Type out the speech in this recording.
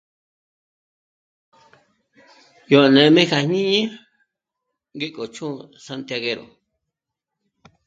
Yó nê'm'e kja jñíni ngéko chṑ'ō Santiaguero